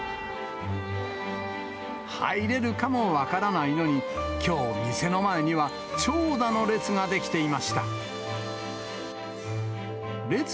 入れるかも分からないのに、きょう、店の前には長蛇の列が出来ていました。